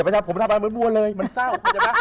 ผมทำงานเหมือนวัวเลยมันเศร้า